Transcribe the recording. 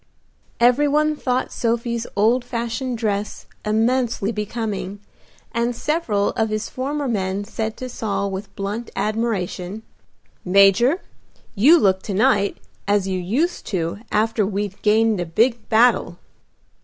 Every one thought Sophie's old fashioned dress immensely becoming, and several of his former men said to Saul with blunt admiration, "Major, you look to night as you used to after we'd gained a big battle."